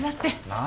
何？